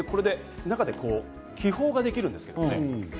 これで、中で気泡ができるんですけどもね。